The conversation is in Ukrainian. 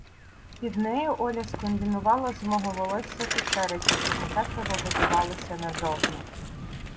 Під нею Оля скомбінувала з мого волосся кучерики, що кокетливо вибивалися назовні.